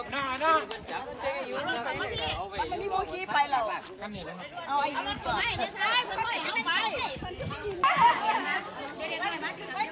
ผู้ชายบ่อยก็ใช้แบบนี้